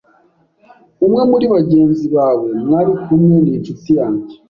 Umwe muri bagenzi bawe mwari kumwe ninshuti yanjye.